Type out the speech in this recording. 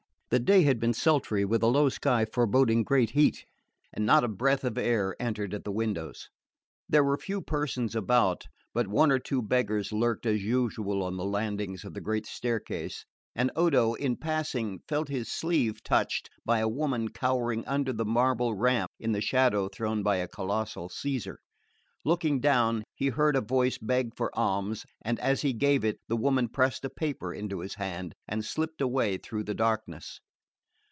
The day had been sultry, with a low sky foreboding great heat, and not a breath of air entered at the windows. There were few persons about, but one or two beggars lurked as usual on the landings of the great staircase, and Odo, in passing, felt his sleeve touched by a woman cowering under the marble ramp in the shadow thrown by a colossal Caesar. Looking down, he heard a voice beg for alms, and as he gave it the woman pressed a paper into his hand and slipped away through the darkness.